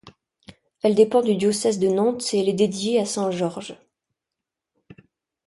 Elle dépend du diocèse de Nantes et elle est dédiée à saint Georges.